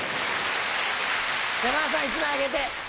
山田さん１枚あげて。